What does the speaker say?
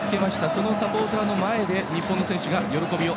そのサポーターの前で日本の選手が喜びを。